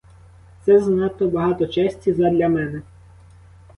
Це занадто багато честі задля мене!